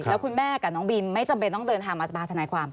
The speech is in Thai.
แล้วคุณแม่กับน้องบินไม่จำเป็นต้องเดินทางมาสภาธนายความ